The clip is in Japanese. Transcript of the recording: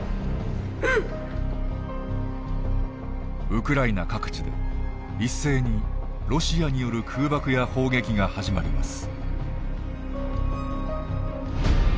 ウクライナ各地で一斉にロシアによる空爆や砲撃が始まります。